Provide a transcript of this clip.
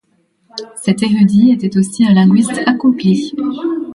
Cet érudit était aussi un linguiste accompli.